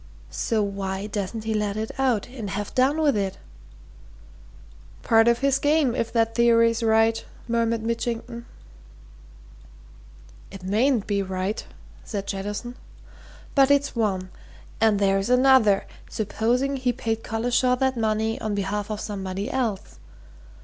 so why doesn't he let it out, and have done with it?" "Part of his game if that theory's right," murmured Mitchington. "It mayn't be right," said Jettison. "But it's one. And there's another supposing he paid Collishaw that money on behalf of somebody else?